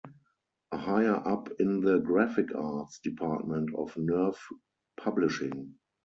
A higher-up in the Graphic Arts department of Nerve Publishing.